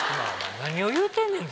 何を言うてんねん！